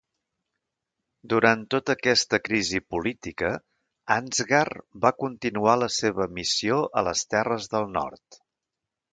Durant tota aquesta crisi política, Ansgar va continuar la seva missió a les terres del nord.